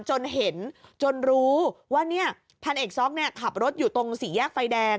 จนเห็นจนรู้ว่าเนี่ยพันเอกซ็อกขับรถอยู่ตรงสี่แยกไฟแดง